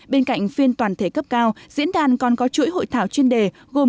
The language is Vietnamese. bên cạnh phiên toàn thể cấp cao diễn đàn còn có chuỗi hội thảo chuyên đề gồm